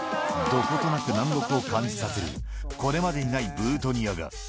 どことなく南国を感じさせる、これまでにないブートニアが。